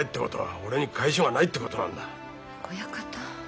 親方。